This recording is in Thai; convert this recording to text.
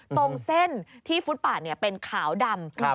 ตรงเส้นที่ฟุตปาดเป็นขาวดำ